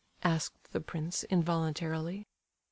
asked the prince, involuntarily.